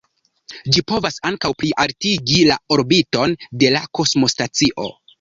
Ĝi povas ankaŭ plialtigi la orbiton de la kosmostacio.